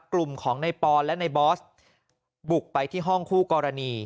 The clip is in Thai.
กลุ่มของในปอนและในบอสบุกไปที่ห้องคู่กรณี